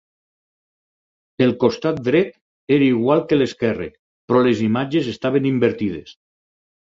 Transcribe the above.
El costat dret era igual que l'esquerra, però les imatges estaven invertides.